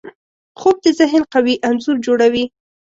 خوب د ذهن قوي انځور جوړوي